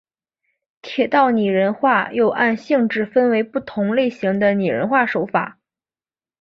铁道拟人化又按性质分为不同类型的拟人化手法。